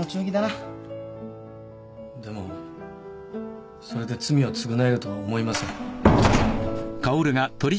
でもそれで罪を償えるとは思いません。